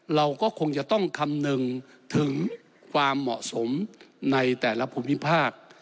เราก็คงจะต้องคำนึงถึงความเหมาะสมในแต่ละภูมิภาค